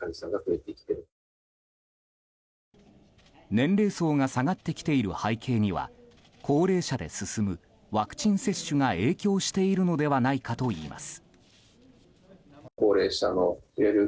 年齢層が下がってきている背景には高齢者で進むワクチン接種が影響しているのではないかといいます。